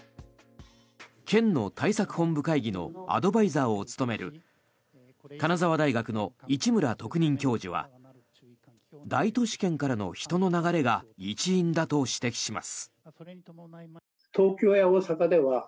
県の対策本部会議のアドバイザーを務める金沢大学の市村特任教授は大都市圏からの人の流れが一因だと指摘します。